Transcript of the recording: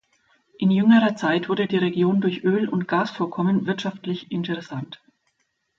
In jüngerer Zeit wurde die Region durch Öl- und Gasvorkommen wirtschaftlich interessant.